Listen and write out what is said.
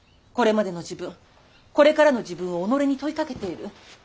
これまでの自分これからの自分を己に問いかけている。